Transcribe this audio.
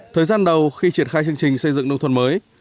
thời gian đầu khi triển khai chương trình xây dựng nông thôn mới